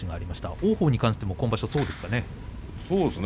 王鵬に関しても今場所そうですね。